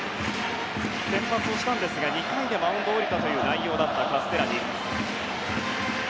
先発をしたんですが２回でマウンドを降りた内容のカステラニ。